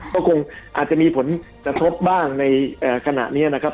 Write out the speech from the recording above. ก็คงอาจจะมีผลกระทบบ้างในขณะนี้นะครับ